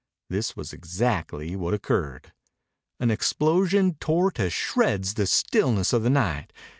This was exactly what occurred. An explosion tore to shreds the stillness of the night.